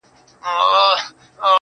د يوسفي حُسن شروع ته سرگردانه وو.